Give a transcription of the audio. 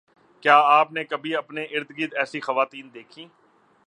کیا آپ نے کبھی اپنی اررگرد ایسی خواتین دیکھیں